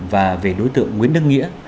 và về đối tượng nguyễn đức nghĩa